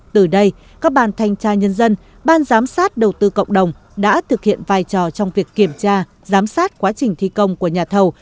từ đây các bàn thanh tra nhân dân ban giám sát đầu tư cộng đồng đã thực hiện vai trò trong việc kiểm tra giám sát quá trình thi công của nhà thầu